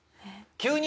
急に。